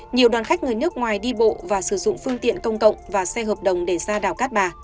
nhiều đoàn khách người nước ngoài đi bộ và sử dụng phương tiện công cộng và xe hợp đồng để ra đảo cát bà